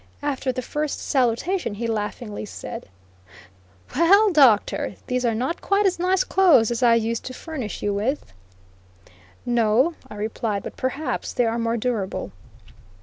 After the first salutation, he laughingly said: "Well, Doctor, those are not quite as nice clothes as I used to furnish you with." "No," I replied, "but perhaps they are more durable."